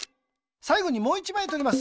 さいごにもう１まいとります。